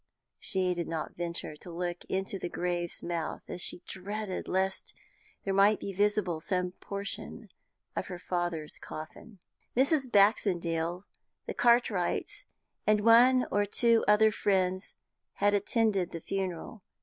She did not venture to look into the grave's mouth she dreaded lest there might be visible some portion of her father's coffin. Mrs. Baxendale, the Cartwrights, and one or two other friends had attended the funeral.